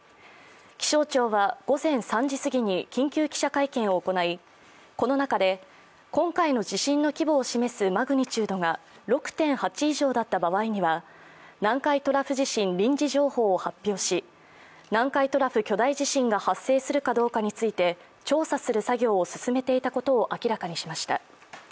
気象庁は午前３時すぎに緊急記者会見を行い、この中で、今回の地震の規模を示すマグニチュードが６．８以上だった場合には南海トラフ地震臨時情報を発表し南海トラフ巨大地震が発生するかどうかについて調査する作業を進めていたことを明らかにしました。